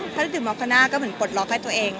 ถ้าได้ดื่มมักคณะก็เหมือนกดล็อกให้ตัวเองค่ะ